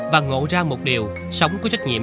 và ngộ ra một điều sống có trách nhiệm